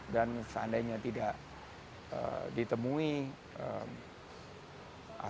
dan seandainya tidak ditemui aspek aspek yang menyebabkan